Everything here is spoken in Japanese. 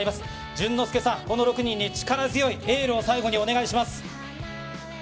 淳之介さん、この６人に、力強いエールを、最後にお願いします。